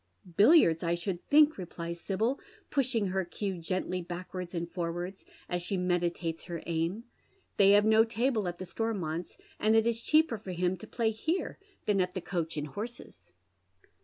" Billiards, I should think," replies Sibyl, pushing her cue gently backwards and forwards as she meditates her aim. " They have no table at the Stonnouts, and it in cheaper for him to play here than at the ' Coach and Horses.'